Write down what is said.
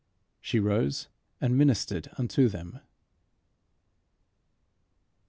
She rose and ministered unto them.